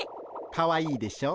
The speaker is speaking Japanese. かわいいでしょう？